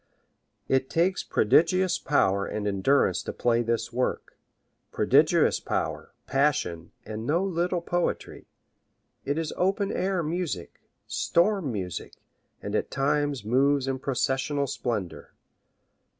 It takes prodigious power and endurance to play this work, prodigious power, passion and no little poetry. It is open air music, storm music, and at times moves in processional splendor.